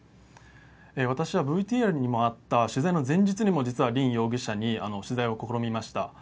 私はＶＴＲにもあった取材の前日にも、実は凜容疑者に取材を試みました。